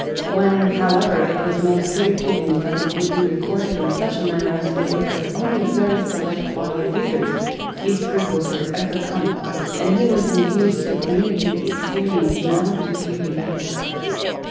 When, however, it was made clear to him that it would be recorded in such a manner as would interest only a very select body of readers, his scruples were overcome, and he was induced to communicate the experience now to be re lated.